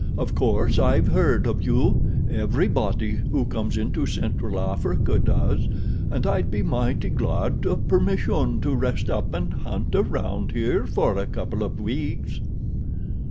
Of course I've heard of you—everybody who comes into Central Africa does—and I'd be mighty glad of permission to rest up and hunt around here for a couple of weeks."